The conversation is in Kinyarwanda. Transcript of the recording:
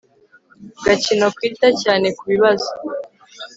gakino Kwita cyane ku bibazo